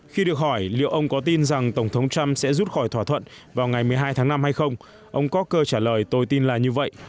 khi được hỏi liệu ông có tin rằng tổng thống trump sẽ rút khỏi thỏa thuận vào ngày một mươi hai tháng năm hay không ông kocker trả lời tôi tin là như vậy